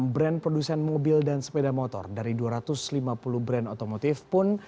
enam brand produsen mobil dan sepeda motor dari dua ratus lima puluh brand otomotif pun